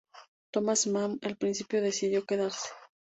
Thomas Mann en principio decidió quedarse.